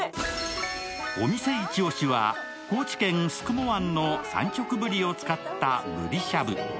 お店イチオシは、高知県・宿毛湾の産直ぶりを使ったブリしゃぶ。